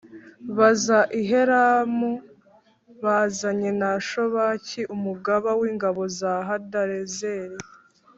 baza i Helamu bazanye na Shobaki umugaba w’ingabo za Hadarezeri